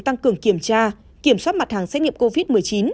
tăng cường kiểm tra kiểm soát mặt hàng xét nghiệm covid một mươi chín